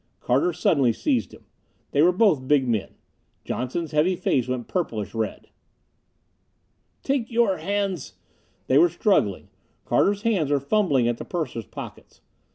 Carter suddenly seized him. They were both big men. Johnson's heavy face went purplish red. "Take your hands! " They were struggling. Carter's hands were fumbling at the purser's pockets.